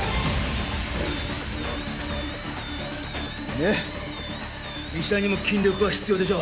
ねっ医者にも筋力は必要でしょ？